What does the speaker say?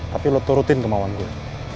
tapi lo turutin kemauan gue